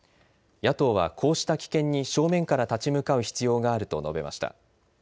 野党は、こうした危険に正面から立ち向かう必要があると述べました。